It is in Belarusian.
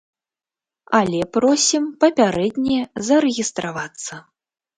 Але просім папярэдне зарэгістравацца.